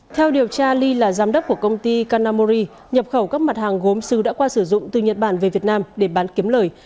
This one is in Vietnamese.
theo điều tra ly là giám đốc của công ty canamori nhập khẩu các mặt hàng gốm xứ đã qua sử dụng từ nhật bản về việt nam để bán kiếm lời